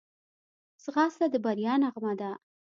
ځغاسته د بریا نغمه ده